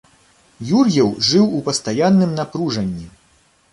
Юр'еў жыў у пастаянным напружанні.